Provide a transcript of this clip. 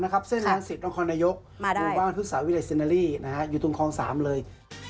กับพี่นะครับอยู่ตรงคลอง๓เลย